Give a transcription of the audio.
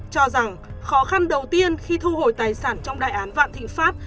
cho rằng khó khăn đầu tiên khi thu hồi tài sản trong đại án vạn thịnh pháp